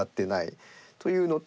というのと